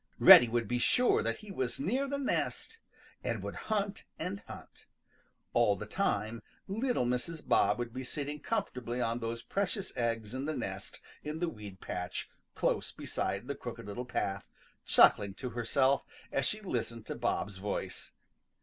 Reddy would be sure then that he was near the nest and would hunt and hunt. All the time little Mrs. Bob would be sitting comfortably on those precious eggs in the nest in the weed patch close beside the Crooked Little Path, chuckling to herself as she listened to Bob's voice.